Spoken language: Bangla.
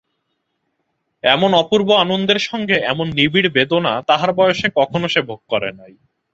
এমন অপূর্ব আনন্দের সঙ্গে এমন নিবিড় বেদনা তাহার বয়সে কখনো সে ভোগ করে নাই।